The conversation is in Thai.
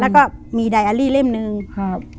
แล้วก็มีไดอารี่เล่มหนึ่งครับ